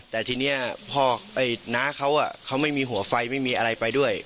แต่ทีนี้พ่อน้าเขาเขาไม่มีหัวไฟไม่มีอะไรไปด้วย